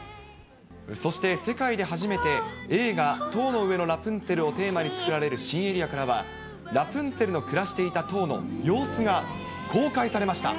そして世界で初めて映画、塔の上のラプンツェルをテーマに作られる新エリアからは、ラプンツェルの暮らしていた塔の様子が公開されました。